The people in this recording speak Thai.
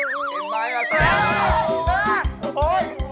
โอ้โฮเป็นลูกกู